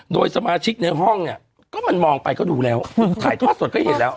โดยสมาชิกในห้องเนี่ยก็มันมองไปก็ดูแล้วถ่ายทอดสดก็เห็นแล้ว